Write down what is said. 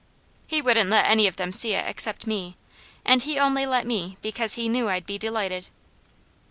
He wouldn't let any of them see it except me, and he only let me because he knew I'd be delighted.